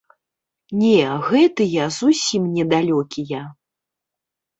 Не, гэтыя зусім не далёкія.